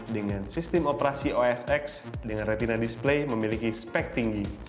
dengan sistem operasi osx dengan retina display memiliki spek tinggi